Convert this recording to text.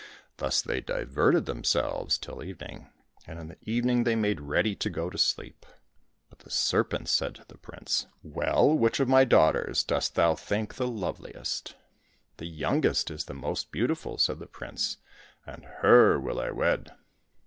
Thus they diverted themselves till evening, and in the evening they made ready to go to sleep. But the serpent said to the prince, '' Well, 271 COSSACK FAIRY TALES which of my daughters dost thou think the love liest ?"" The youngest is the most beautiful," said the prince, " and her will I wed."